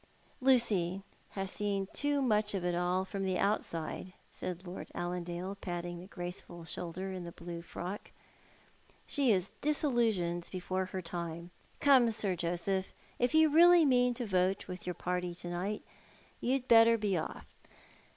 " Lucy has seen too much of it all, from the outside," said Lord Allandale, patting the graceful shoulder in the blue frock, " She is disillusioned before her time. Come, Sir Joseph, if you really mean to vote with your party to night, you'd better be off.